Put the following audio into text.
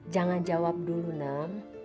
jangan jawab dulu nam